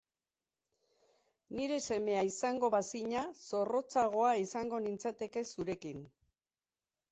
Nire semea izango bazina, zorrotzagoa izango nintzateke zurekin.